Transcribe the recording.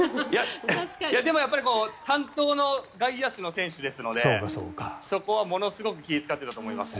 でも、担当の外野手の選手ですのでそこはものすごく気を使っていたと思いますね。